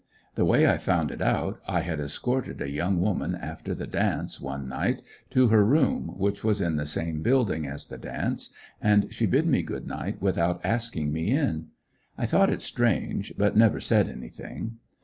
The way I found it out, I had escorted a young woman, after the dance, one night, to her room, which was in the same building as the dance, and she bid me good night without asking me in. I thought it strange but never said anything.